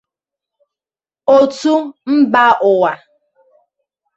òtù mba ụwa